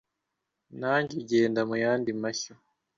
Nanjye ugenda mu yandi mashyo